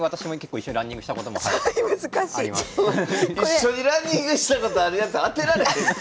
一緒にランニングしたことあるやつ当てられへんて。